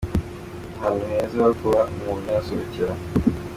Ahantu heza ho kuba umuntu yasohokera.